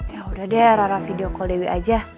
yaudah deh rara video call dewi aja